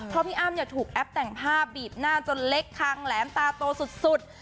เพราะพี่อ้ำถูกแอปแต่งภาพบีบหน้าจนเล็กคางแหลมตาโตสุด